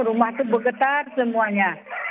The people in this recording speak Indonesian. rumah itu begetar semuanya